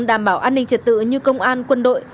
đảm bảo an ninh trật tự như công an quân đội